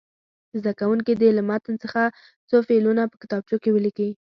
زده کوونکي دې له متن څخه څو فعلونه په کتابچو کې ولیکي.